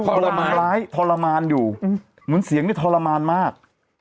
ทรมานทรมานอยู่อืมเหมือนเสียงได้ทรมานมาก